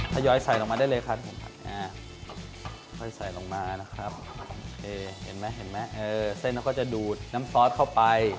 ทยอยใส่ลงมาได้เลยครับผมค่อยใส่ลงมานะครับเห็นไหมเห็นไหมเส้นเราก็จะดูดน้ำซอสเข้าไป